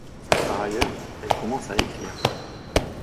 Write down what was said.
Par ailleurs elle commence à écrire.